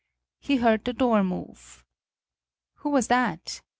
He heard the door move. "Who was that?"